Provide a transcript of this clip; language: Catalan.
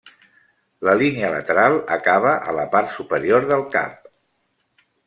La línia lateral acaba a la part superior del cap.